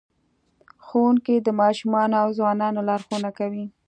ښوونکی د ماشومانو او ځوانانو لارښوونه کوي.